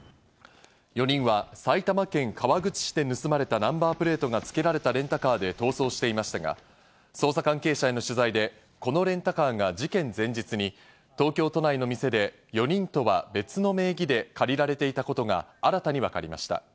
４人は埼玉県川口市で盗まれたナンバープレートが付けられたレンタカーで逃走していましたが、捜査関係者への取材で、このレンタカーが事件前日に東京都内の店で、４人とは別の名義で借りられていたことが新たにわかりました。